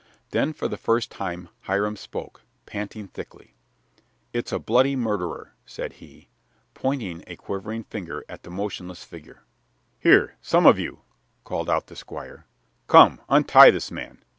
Then for the first time Hiram spoke, panting thickly. "It's a bloody murderer," said he, pointing a quivering finger at the motionless figure. "Here, some of you!" called out the Squire. "Come! Untie this man!